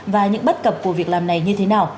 và những bất cập của việc làm này như thế nào